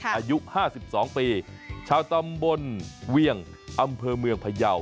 อายุ๕๒ปีชาวตำบลเวี่ยงอำเภอเมืองพยาว